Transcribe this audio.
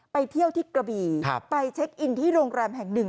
ไปเที่ยวที่กระบี่ไปเช็คอินที่โรงแรมแห่งหนึ่ง